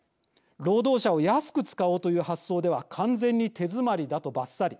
労働者を安く使おうという発想では完全に手詰まりだとばっさり。